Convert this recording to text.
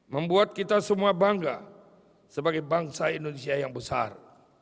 membuat kita semua bangga sebagai bangsa indonesia yang besar